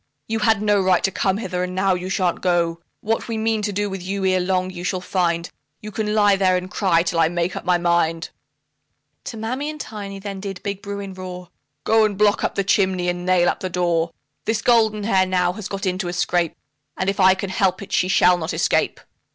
You had no right to come hither, and now you shan't go. What we mean to do with you, ere long you shall find; You can lie there and cry till I make up my mind." To Mammy and Tiny then did big Bruin roar, "Go and block up the chimney and nail up the door; This Goldenhair now has got into a scrape, And if I can help it, she shall not escape."